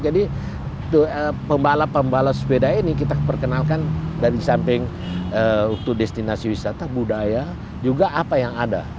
jadi pembalap pembalap sepeda ini kita perkenalkan dari samping untuk destinasi wisata budaya juga apa yang ada